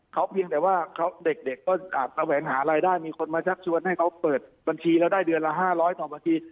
เขาเพียงแต่ว่าเด็กก็แสวงหารายได้มีคนมาชักชวนให้เขาเปิดบัญชีแล้วได้เดือนละ๕๐๐ต่อบัญชี